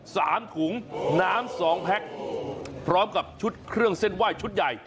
สามถุงน้ำสองแพ็คพร้อมกับชุดเครื่องเส้นไหว้ชุดใหญ่